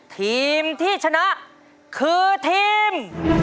ทีมที่ชนะคือทีม